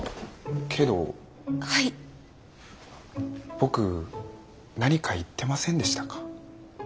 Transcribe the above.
僕何か言ってませんでしたか？